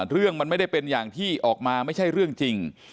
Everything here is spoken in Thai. เรื่องมันไม่ได้เป็นอย่างที่ออกมาไม่ใช่เรื่องจริง